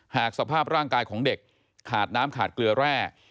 สภาพร่างกายของเด็กขาดน้ำขาดเกลือแร่